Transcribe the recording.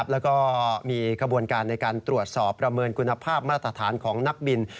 แล้วก็มีกระบวนการในการตรวจสอบประเมินคุณภาพมาตรฐานของนักบิน